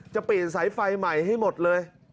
จะเปลี่ยนสายไฟใหม่ให้หมดเลย